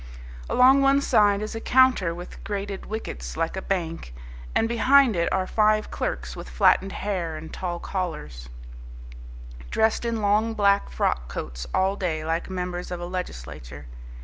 Along one side is a counter with grated wickets like a bank, and behind it are five clerks with flattened hair and tall collars, dressed in long black frock coats all day like members of a legislature.